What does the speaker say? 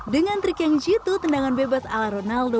dengan trik yang jitu tendangan bebas ala ronaldo